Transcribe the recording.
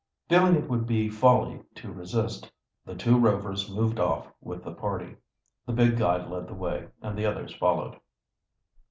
Feeling it would be folly to resist, the two Rovers moved off with the party. The big guide led the way and the others followed.